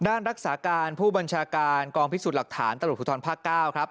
รักษาการผู้บัญชาการกองพิสูจน์หลักฐานตำรวจภูทรภาค๙ครับ